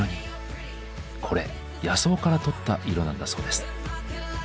これ野草からとった色なんだそうです。